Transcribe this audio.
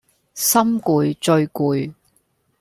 心攰最攰